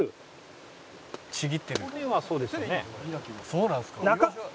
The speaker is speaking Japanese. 「そうなんですか？」